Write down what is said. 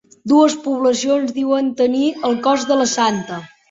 Dues poblacions diuen tenir el cos de la santa.